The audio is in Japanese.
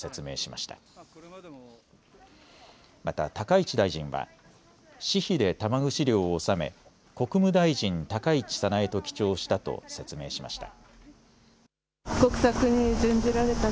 また、高市大臣は私費で玉串料を納め国務大臣高市早苗と記帳したと説明しました。